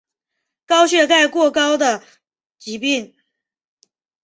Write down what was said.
高血钙过高的疾病。